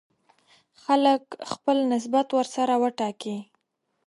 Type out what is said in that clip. خلک خپل نسبت ورسره وټاکي.